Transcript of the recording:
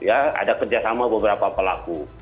ada kerjasama beberapa pelaku